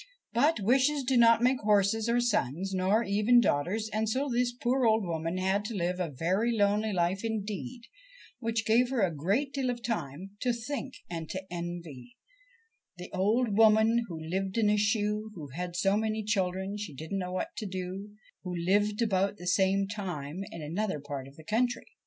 But wishes do not make horses or sons, nor even daughters, and so this poor old woman had to live a very lonely life indeed,, which gave her a great deal of time to think and to envy The old woman who lived in a shoe, Who had so many children she didn't know what to do, who lived about the same time in another part of the country.